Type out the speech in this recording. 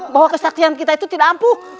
bahwa kesaksian kita itu tidak ampuh